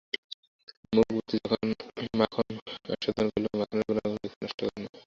মূক ব্যক্তি মাখন আস্বাদন করিলেও মাখনের গুণাগুণ ব্যক্ত করিতে পারে না।